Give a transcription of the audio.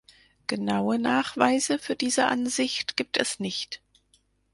Genaue Nachweise für diese Ansicht gibt es nicht.